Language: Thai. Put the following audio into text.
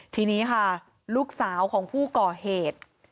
ทีนี้ค่ะลูกสาวของผู้ก่อเหตุ